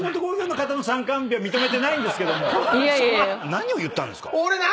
何を言ったんですか？